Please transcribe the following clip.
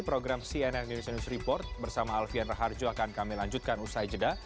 program cnn indonesia news report bersama alfian raharjo akan kami lanjutkan usai jeda